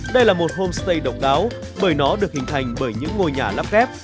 đây là một homestay độc đáo bởi nó được hình thành bởi những ngôi nhà lắp kép